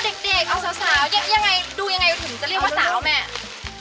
เด็กเอาสาวยังไงดูยังไงถึงจะเรียกว่าสาวแม่